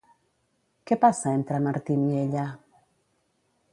Què passa entre en Martin i ella?